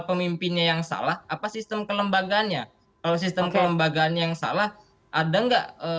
pemimpinnya yang salah apa sistem kelembagaannya kalau sistem kelembagaan yang salah ada enggak